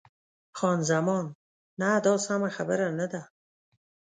خان زمان: نه، دا سمه خبره نه ده.